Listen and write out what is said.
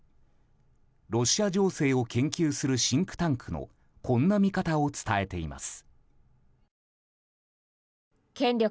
ロシア情勢を研究するシンクタンクのこんな見方を伝えています。